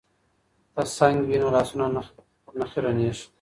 که سنک وي نو لاسونه نه خیرنیږي.